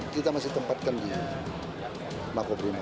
kita masih tempatkan di mako brimob